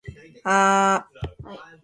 ぁー